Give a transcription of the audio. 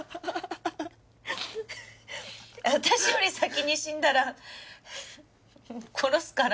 私より先に死んだら殺すから。